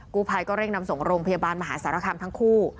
กู้ภัยก็เร่งนำส่งโรงพยาบาลมหาสารคามทั้งคู่